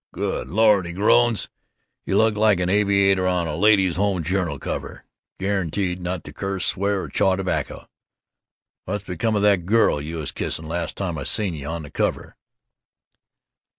"Good Lord," he groans, "you look like an aviator on a Ladies Home Journal cover, guaranteed not to curse, swear or chaw tobacco. What's become of that girl you was kissing, last time I seen you on the cover?"